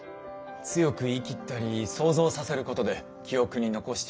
強く言い切ったり想像させることで記憶に残しているのかもしれませんね。